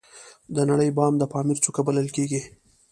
د نړۍ بام د پامیر څوکه بلل کیږي